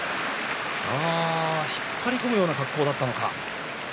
引っ張り込むような内容だったのか。